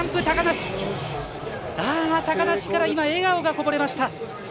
高梨から今、笑顔がこぼれました。